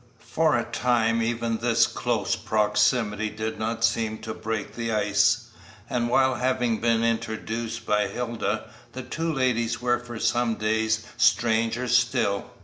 For a time even this close proximity did not seem to break the ice, and while having been introduced by Hilda, the two ladies were for some days strangers still.